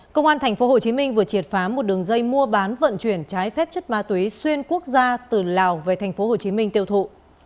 công an tp hcm vừa triệt phá một đường dây mua bán vận chuyển trái phép chất ma túy xuyên quốc gia từ lào về tp hcm tiêu thụ